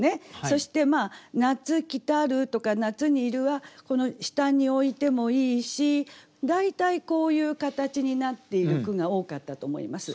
そして「夏来る」とか「夏に入る」はこの下に置いてもいいし大体こういう形になっている句が多かったと思います。